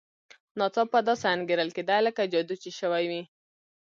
ناڅاپه داسې انګېرل کېده لکه جادو چې شوی وي.